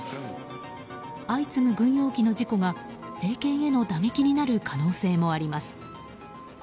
相次ぐ軍用機の事故が政権への打撃になる可能性もあります。